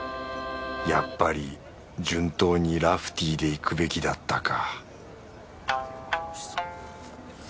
やっぱり順当にラフティーでいくべきだったか